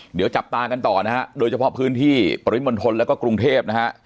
เดี๋ยวจับตากันต่อนะฮะโดยเฉพาะพื้นที่ปริมณฑลแล้วก็กรุงเทพนะฮะ